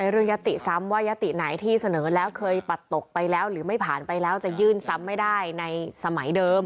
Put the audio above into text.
ยติซ้ำว่ายติไหนที่เสนอแล้วเคยปัดตกไปแล้วหรือไม่ผ่านไปแล้วจะยื่นซ้ำไม่ได้ในสมัยเดิม